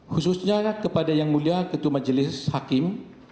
khususnya kepada yang mulia ketua majelis hakim